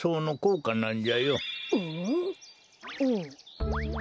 うん。